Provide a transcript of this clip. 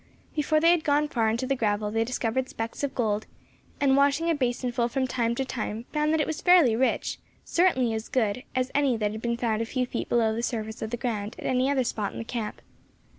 Before they had gone far into the gravel they discovered specks of gold, and, washing a basinful from time to time, found that it was fairly rich, certainly as good as any that had been found a few feet below the surface of the ground at any other spot in the camp.